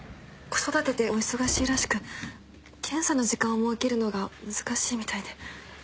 子育てでお忙しいらしく検査の時間を設けるのが難しいみたいで。